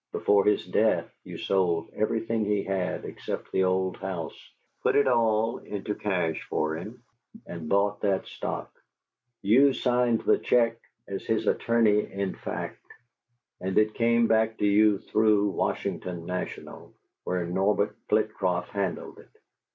"Before his death you sold everything he had, except the old house, put it all into cash for him, and bought that stock; you signed the check as his attorney in fact, and it came back to you through the Washington National, where Norbert Flitcroft handled it.